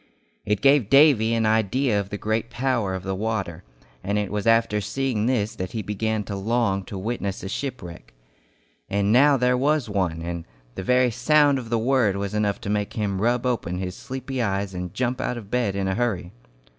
It gave Davy an idea of the great power of the water, and it was after seeing this that he began to long to witness a shipwreck. And now there was one, and the very sound of the word was enough to make him rub open his sleepy eyes and jump out of bed in a hurry!